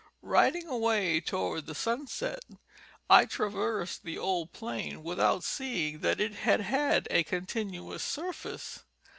Riding away toward the sunset, I traversed the old plain without seeing that it had had a continuous surface.